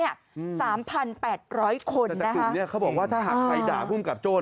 แต่จากกลุ่มนี้เขาบอกว่าถ้าหากไปด่าภูมิกราบโจ้